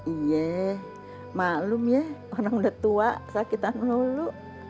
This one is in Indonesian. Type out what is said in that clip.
iya malam ya orang udah tua sakitan lulu